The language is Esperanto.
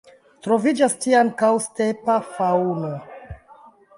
Troviĝas tie ankaŭ stepa faŭno.